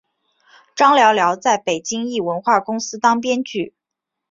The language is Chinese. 张寥寥在北京一文化公司当编剧。